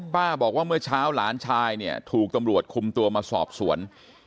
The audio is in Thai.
บอกว่าเมื่อเช้าหลานชายเนี่ยถูกตำรวจคุมตัวมาสอบสวน